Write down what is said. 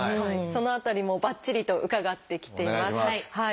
その辺りもばっちりと伺ってきています。